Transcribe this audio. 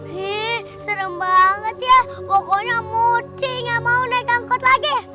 heee serem banget ya pokoknya moci nggak mau naik angkot lagi